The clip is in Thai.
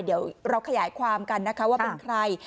เดี๋ยวเราขยายความกันนะคะว่าเป็นใคร